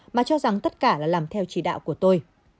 mà cho rằng tất cả là làm theo chỉ đạo của tôi